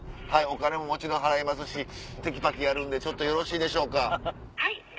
お金ももちろん払いますしテキパキやるんでよろしいでしょうか？